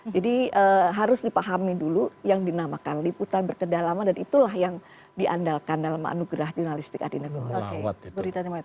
jadi harus dipahami dulu yang dinamakan liputan berkedalaman dan itulah yang diandalkan dalam anugerah jurnalistik adi negoro